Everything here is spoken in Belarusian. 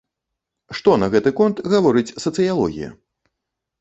Што на гэты конт гаворыць сацыялогія?